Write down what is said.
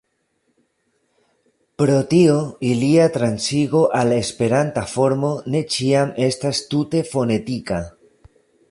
Pro tio ilia transigo al Esperanta formo ne ĉiam estas tute fonetika.